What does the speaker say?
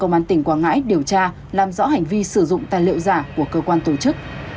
công an tỉnh quảng ngãi điều tra làm rõ hành vi sử dụng tài liệu giả của cơ quan tổ chức